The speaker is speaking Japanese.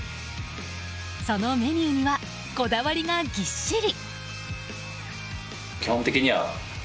そのメニューにはこだわりがぎっしり。